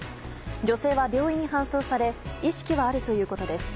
女性は病院に搬送され意識はあるということです。